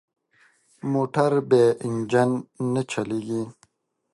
موټر بې انجن نه چلېږي.